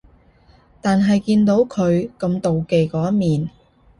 但係見到佢咁妒忌嗰一面